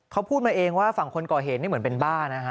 เขาพูดมาเองว่าฝั่งคนก่อเหตุนี่เหมือนเป็นบ้านะฮะ